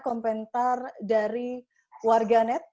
komentar dari warganet